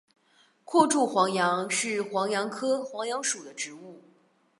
阔柱黄杨是黄杨科黄杨属的植物。